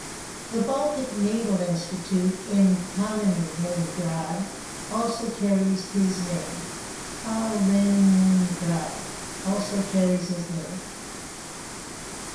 The Baltic Naval Institute in Kaliningrad also carries his name.